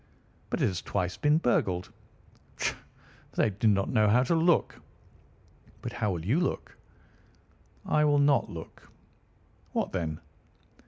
"But it has twice been burgled." "Pshaw! They did not know how to look." "But how will you look?" "I will not look." "What then?"